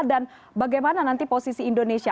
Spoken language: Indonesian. dan bagaimana nanti posisi indonesia